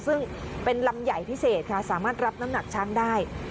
ซึ่งเป็นลำใหญ่พิเศษค่ะสามารถรับน้ำหนักช้างได้